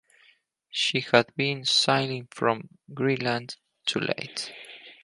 She had been sailing from Greenland to Leith.